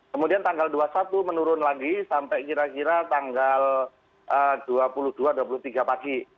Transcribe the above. kemudian tanggal dua puluh satu menurun lagi sampai kira kira tanggal dua puluh dua dua puluh tiga pagi